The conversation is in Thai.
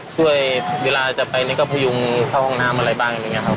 เวลาจะไปนี่ก็พยุงเข้าห้องน้ำอะไรบ้างอย่างนี้ครับ